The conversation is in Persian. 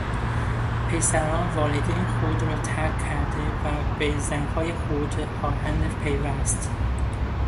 پسران والدین خود را ترک کرده و به زنهای خود خواهند پیوست.